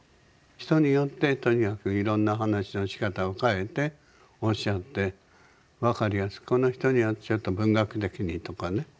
人によってとにかくいろんなお話のしかたを変えておっしゃって分かりやすくこの人にはちょっと文学的にとかね。